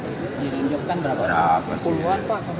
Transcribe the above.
di rinjok kan berapa pak